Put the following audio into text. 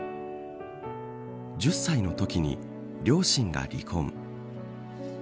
１０歳のときに両親が離婚。